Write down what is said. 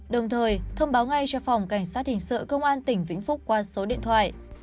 đồng thời thông báo ngay cho phòng cảnh sát hình sự công an tỉnh vĩnh phúc qua số điện thoại